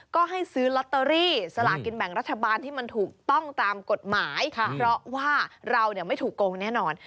ก็ให้ซื้อลอตเตอรี่สลากินแบ่งรัฐบาลที่มันถูกต้องตามกฎหมายเพราะว่าเราไม่ถูกโกงแน่นอน